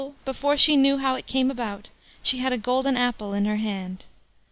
before she knew how it came about, she had a gold apple in her hand.